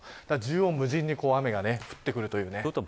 縦横無尽に雨が降ってくる。